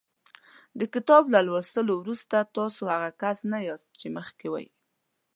د کتاب له لوستلو وروسته تاسو هغه کس نه یاست چې مخکې وئ.